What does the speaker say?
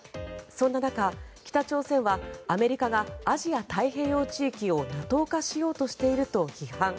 そんな中、北朝鮮はアメリカがアジア太平洋地域をＮＡＴＯ化しようとしていると批判。